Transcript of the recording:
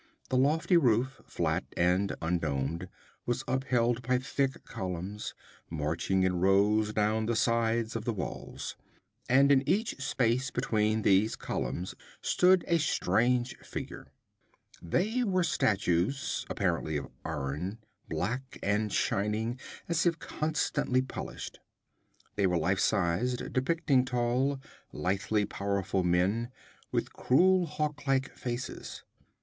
The lofty roof, flat and undomed, was upheld by thick columns, marching in rows down the sides of the walls. And in each space between these columns stood a strange figure. They were statues, apparently of iron, black and shining as if continually polished. They were life sized, depicting tall, lithely powerful men, with cruel hawk like faces.